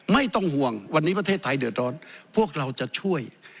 ไม่ต้องห่วงวันนี้ประเทศไทยเดือดร้อนพวกเราจะช่วย